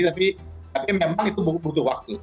tapi memang itu butuh waktu